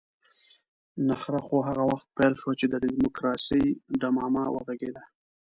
نخره خو هغه وخت پيل شوه چې د ډيموکراسۍ ډمامه وغږېده.